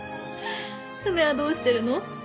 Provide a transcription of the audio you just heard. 梅はどうしてるの？